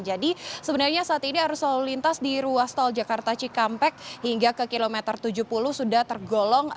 jadi sebenarnya saat ini arus selalu lintas di ruas tol jakarta cikampek hingga ke kilometer tujuh puluh sudah tergolong